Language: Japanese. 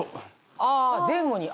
あ前後に。